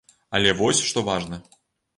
Але вось што важна.